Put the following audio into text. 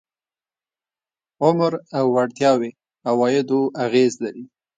عمر او وړتیاوې عوایدو اغېز لري.